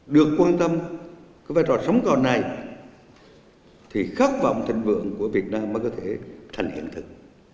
được quan tâm cái vai trò sống còn này thì khát vọng thịnh vượng của việt nam mới có thể thành hiện thực